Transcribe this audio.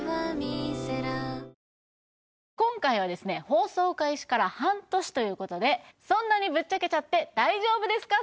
放送開始から半年ということで「そんなにぶっちゃけちゃって大丈夫ですか？